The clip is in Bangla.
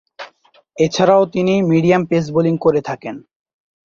এছাড়াও তিনি মিডিয়াম পেস বোলিং করে থাকেন।